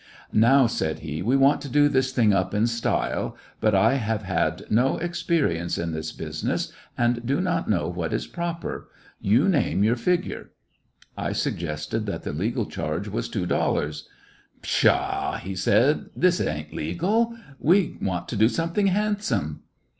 "Now," said he, "we want to do this thing up in style, but I have had no experience in 63 cailf flecoUections of a this business and do not know what is proper. You name your figure." I suggested that the legal charge was two dollars. "Pshaw!" he said, "this ain't legal. We want to do something handsome."